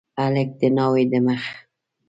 هلک د ناوي د مخ